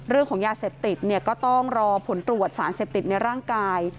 เรื่องของยาเสพติดเนี่ยก็ต้องรอผลตรวจสารเสพติดในร่างกาย